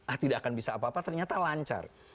ah tidak akan bisa apa apa ternyata lancar